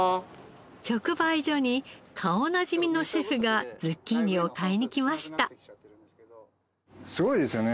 直売所に顔なじみのシェフがズッキーニを買いに来ました。